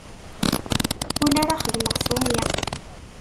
Ula ara xedmeɣ s waya.